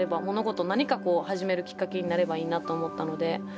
物事何かこう始めるきっかけになればいいなと思ったので。